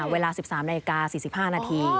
เวลา๑๓นาฬิกา๔๕นาที